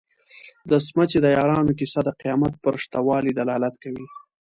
د څمڅې د یارانو کيسه د قيامت پر شته والي دلالت کوي.